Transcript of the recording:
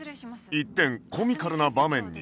一転コミカルな場面に。